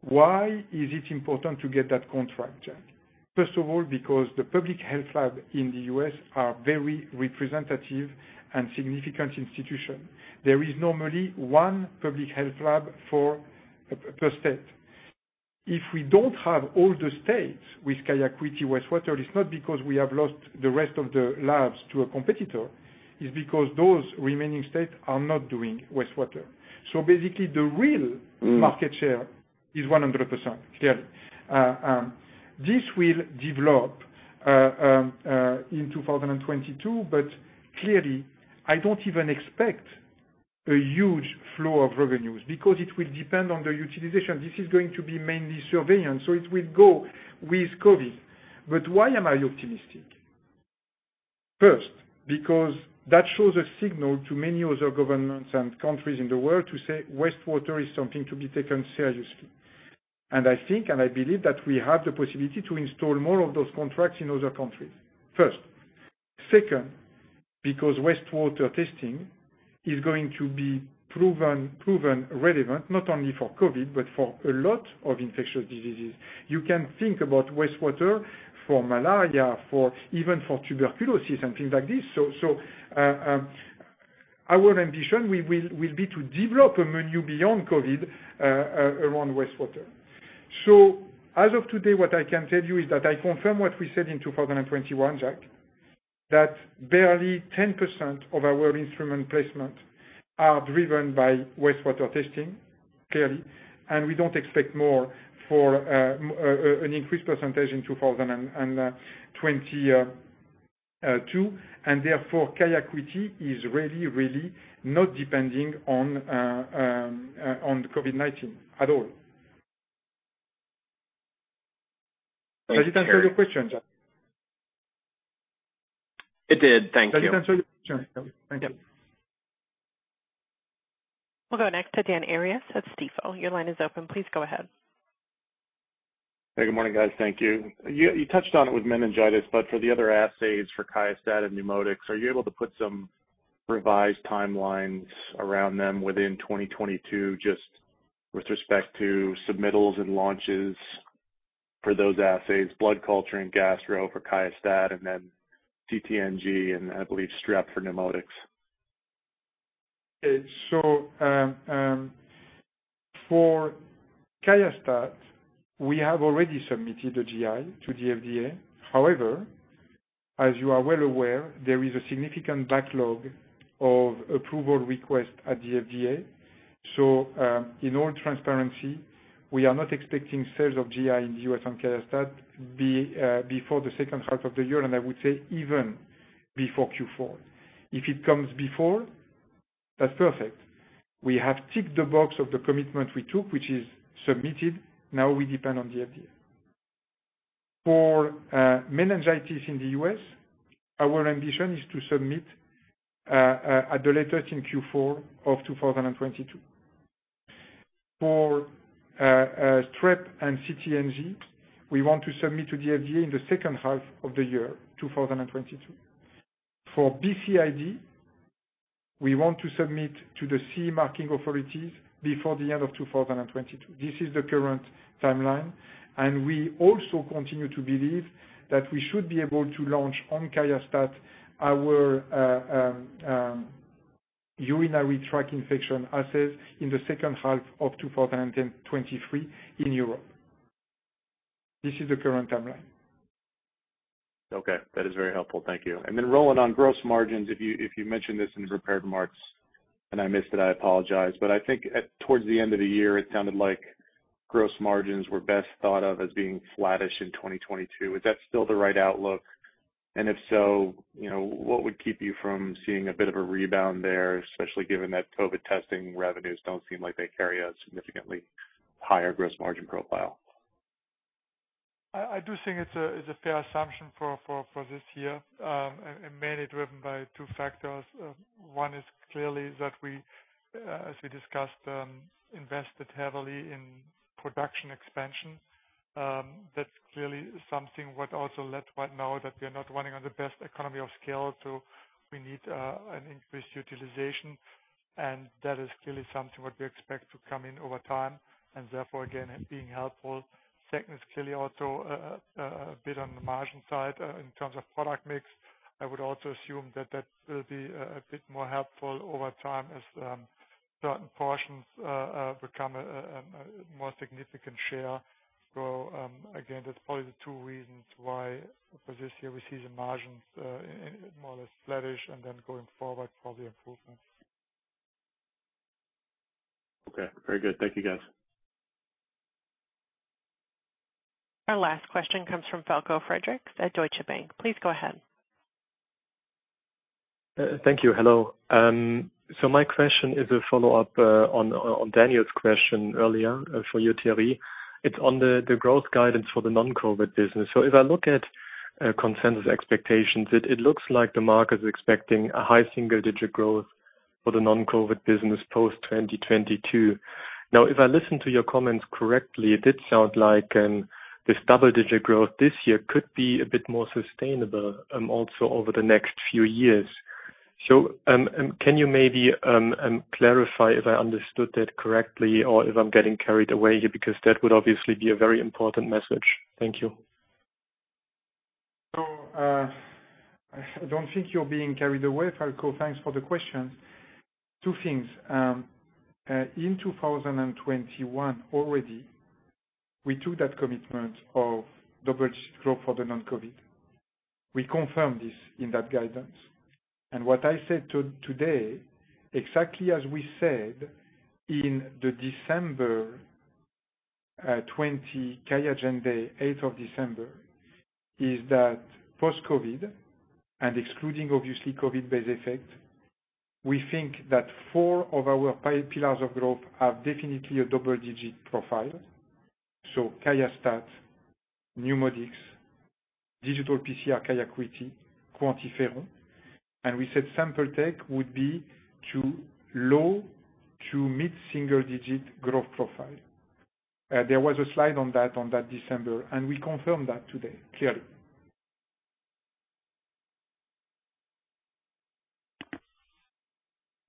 Why is it important to get that contract, Jack? First of all, because the public health lab in the U.S. are very representative and significant institutions. There is normally one public health lab per state. If we don't have all the states with QIAcuity Wastewater, it's not because we have lost the rest of the labs to a competitor. It's because those remaining states are not doing wastewater. So basically, the real market share is 100%, clearly. This will develop in 2022, but clearly, I don't even expect a huge flow of revenues because it will depend on the utilization. This is going to be mainly surveillance, so it will go with COVID. But why am I optimistic? First, because that shows a signal to many other governments and countries in the world to say wastewater is something to be taken seriously. And I think and I believe that we have the possibility to install more of those contracts in other countries. Second, because wastewater testing is going to be proven relevant not only for COVID, but for a lot of infectious diseases. You can think about wastewater for malaria, even for tuberculosis and things like this. So our ambition will be to develop a menu beyond COVID around wastewater. As of today, what I can tell you is that I confirm what we said in 2021, Jack, that barely 10% of our instrument placements are driven by wastewater testing, clearly, and we don't expect more for an increased percentage in 2022. And therefore, QIAcuity is really, really not depending on COVID-19 at all. Did it answer your question, Jack? It did. Thank you. We'll go next to Dan Arias at Stifel. Your line is open. Please go ahead. Hey, good morning, guys. Thank you. You touched on it with meningitis, but for the other assays for QIAstat and NeuMoDx, are you able to put some revised timelines around them within 2022, just with respect to submittals and launches for those assays, blood culture and gastro for QIAstat, and then CT/NG, and I believe strep for NeuMoDx? So for QIAstat, we have already submitted the GI to the FDA. However, as you are well aware, there is a significant backlog of approval requests at the FDA. So in all transparency, we are not expecting sales of GI in the U.S. on QIAstat before the second half of the year, and I would say even before Q4. If it comes before, that's perfect. We have ticked the box of the commitment we took, which is submitted. Now we depend on the FDA. For meningitis in the U.S., our ambition is to submit at the latest in Q4 of 2022. For strep and CT/NG, we want to submit to the FDA in the second half of the year, 2022. For BCID, we want to submit to the CE marking authorities before the end of 2022. This is the current timeline. And we also continue to believe that we should be able to launch on QIAstat our urinary tract infection assays in the second half of 2023 in Europe. This is the current timeline. Okay. That is very helpful. Thank you. And then rolling on gross margins, if you mentioned this in the prepared remarks, and I missed it, I apologize. But I think towards the end of the year, it sounded like gross margins were best thought of as being flattish in 2022. Is that still the right outlook? And if so, what would keep you from seeing a bit of a rebound there, especially given that COVID testing revenues don't seem like they carry a significantly higher gross margin profile? I do think it's a fair assumption for this year, mainly driven by two factors. One is clearly that we, as we discussed, invested heavily in production expansion. That's clearly something what also led right now that we are not running on the best economy of scale, so we need an increased utilization. And that is clearly something what we expect to come in over time, and therefore, again, being helpful. Second is clearly also a bit on the margin side in terms of product mix. I would also assume that that will be a bit more helpful over time as certain portions become a more significant share. So again, that's probably the two reasons why for this year we see the margins more or less flattish, and then going forward, probably improvement. Okay. Very good. Thank you, guys. Our last question comes from Falko Friedrichs at Deutsche Bank. Please go ahead. Thank you. Hello. So, my question is a follow-up on Daniel's question earlier for you, Thierry. It's on the growth guidance for the non-COVID business. So, if I look at consensus expectations, it looks like the market is expecting a high single-digit growth for the non-COVID business post-2022. Now, if I listen to your comments correctly, it did sound like this double-digit growth this year could be a bit more sustainable also over the next few years. So, can you maybe clarify if I understood that correctly or if I'm getting carried away here? Because that would obviously be a very important message. Thank you. So, I don't think you're being carried away, Falko. Thanks for the questions. Two things. In 2021 already, we took that commitment of double-digit growth for the non-COVID. We confirmed this in that guidance. And what I said today, exactly as we said in the December 20 QIAGEN Day, 8th of December, is that post-COVID, and excluding obviously COVID-based effect, we think that four of our pillars of growth have definitely a double-digit profile. So QIAstat, NeuMoDx, digital PCR, QIAcuity, QuantiFERON. And we said sample tech would be to low to mid-single-digit growth profile. There was a slide on that December, and we confirmed that today, clearly.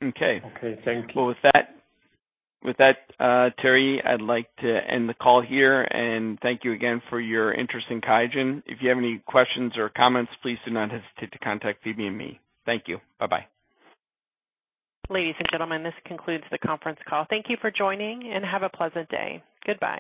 Okay. Okay. Thank you. Well, with that, Thierry, I'd like to end the call here. And thank you again for your interest in Qiagen. If you have any questions or comments, please do not hesitate to contact Phoebe. Thank you. Bye-bye. Ladies and gentlemen, this concludes the conference call. Thank you for joining, and have a pleasant day. Goodbye.